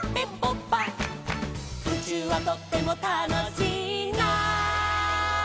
「うちゅうはとってもたのしいな」